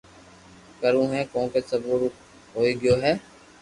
ڪروُ ھي ڪونڪھ سبو رو ھوئي گيو ھي